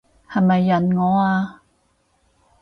係咪潤我啊？